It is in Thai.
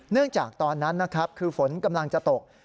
จากตอนนั้นนะครับคือฝนกำลังจะตก